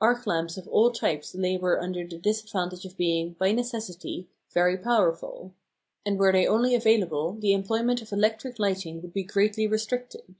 Arc lamps of all types labour under the disadvantage of being, by necessity, very powerful; and were they only available the employment of electric lighting would be greatly restricted.